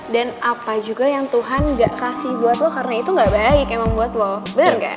dan apa juga yang tuhan gak kasih buat lo karena itu gak baik emang buat lo bener gak